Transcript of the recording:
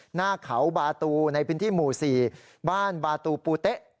หน้าเขาบาตูในพื้นที่หมู่๔บ้านบาตูปูเต๊ะ